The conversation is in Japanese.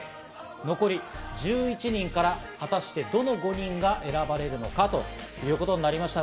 残り１１人から果たしてどの５人が選ばれるのか。ということになりました。